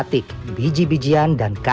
tidak saya tidak